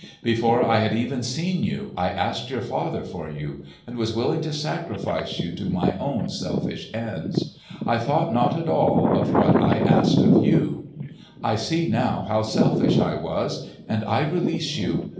Before I had even seen you, I asked your father for you, and was willing to sacrifice you to my own selfish ends. I thought not at all of what I asked of you! I see now how selfish I was, and I release you.